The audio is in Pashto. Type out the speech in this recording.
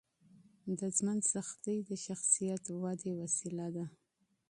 د ژوند سختۍ د شخصیت ودې وسیله ده.